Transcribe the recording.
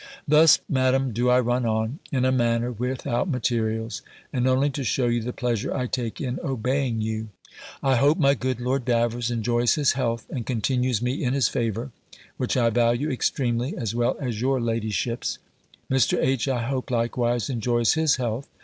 Thus, Madam, do I run on, in a manner, without materials; and only to shew you the pleasure I take in obeying you. I hope my good Lord Davers enjoys his health, and continues me in his favour; which I value extremely, as well as your ladyship's. Mr. H., I hope, likewise enjoys his health.